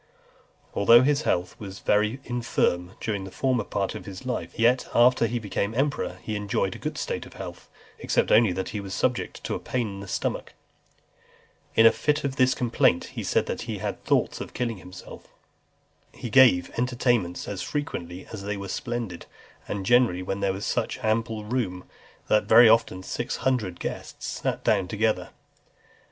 XXXI. Though his health was very infirm during the former part of his life, yet, after he became emperor, he enjoyed a good state of health, except only that he was subject to a pain of the stomach. In a fit of this complaint, he said he had thoughts of killing himself. XXXII. He gave entertainments as frequent as they were splendid, and generally when there was such ample room, that very often six hundred guests sat down together.